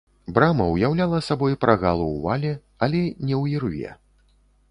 Брама уяўляла сабой прагал у вале, але не ў ірве.